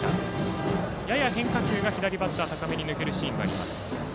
やや変化球が左バッター高めに抜けるシーンがあります。